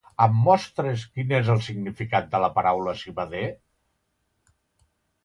Em mostres quin és el significat de la paraula civader?